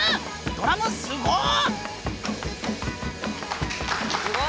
ドラムすごっ！